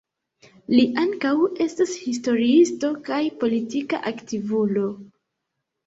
Li ankaŭ estas historiisto kaj politika aktivulo.